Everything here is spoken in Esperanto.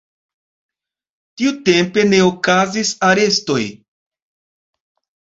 Tiutempe ne okazis arestoj.